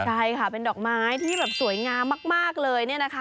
ใช่ค่ะเป็นดอกไม้ที่แบบสวยงามมากเลยเนี่ยนะคะ